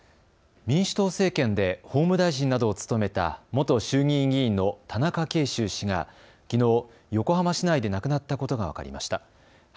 民主党政権で法務大臣などを務めた元衆議院議員の田中慶秋氏がきのう横浜市内で亡くなったことが分かりました。